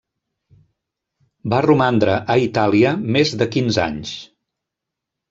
Va romandre a Itàlia més de quinze anys.